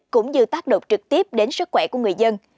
cũng như tác động trực tiếp đến sức khỏe của người dân